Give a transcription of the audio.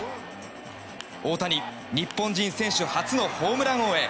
大谷、日本人選手初のホームラン王へ。